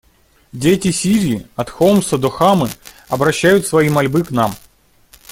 Дети Сирии — от Хомса до Хамы — обращают свои мольбы к нам.